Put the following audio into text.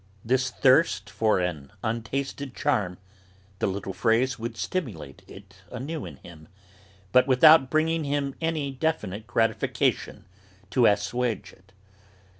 This thirst for an untasted charm, the little phrase would stimulate it anew in him, but without bringing him any definite gratification to assuage it.